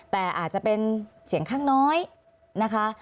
แต่อาจจะเป็นเสียงข้างน้อยนะคะ